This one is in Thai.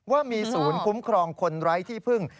ว่ามีศูนย์ธรรมคลอดรัสที่พึ่ง